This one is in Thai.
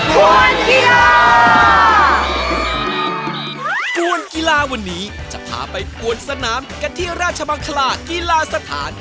กวนกีฬาวันนี้จะพาไปกวนสนามกับที่ราชมังคลากีฬาสถาน